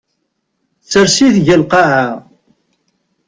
Sers-it deg lqaɛa.